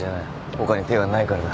他に手がないからだ。